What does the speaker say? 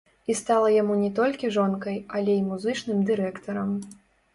І стала яму не толькі жонкай, але і музычным дырэктарам.